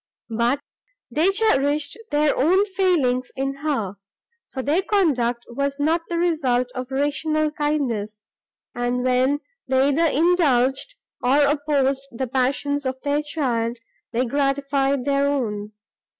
But they cherished their own failings in her; for their conduct was not the result of rational kindness, and, when they either indulged, or opposed the passions of their child, they gratified their own.